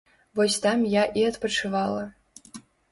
Вось там я і адпачывала.